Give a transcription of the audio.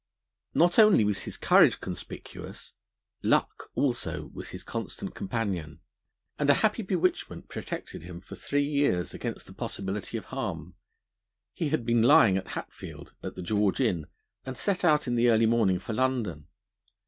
Not only was his courage conspicuous; luck also was his constant companion; and a happy bewitchment protected him for three years against the possibility of harm. He had been lying at Hatfield, at the George Inn, and set out in the early morning for London.